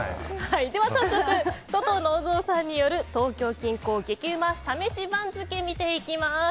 早速ととのう蔵さんによる東京近郊激うまサ飯番付見ていきます。